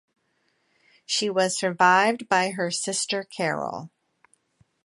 She was survived by her sister Carol.